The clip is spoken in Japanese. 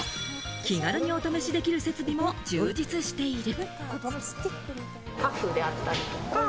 気軽にお試しできる設備も充実している。